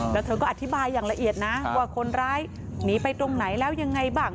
แล้วเธอก็อธิบายอย่างละเอียดนะว่าคนร้ายหนีไปตรงไหนแล้วยังไงบ้าง